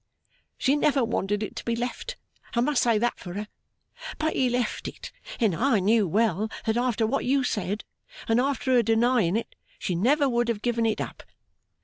'She never wanted it to be left, I must say that for her; but he left it, and I knew well that after what you said, and after her denying it, she never would have given it up.